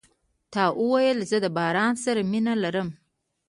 تا ویل زه د باران سره مینه لرم .